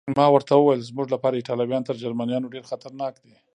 ما ورته وویل: زموږ لپاره ایټالویان تر جرمنیانو ډېر خطرناک دي.